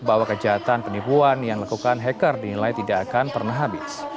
bahwa kejahatan penipuan yang dilakukan hacker dinilai tidak akan pernah habis